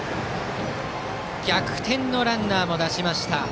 逆転のランナーも出しました。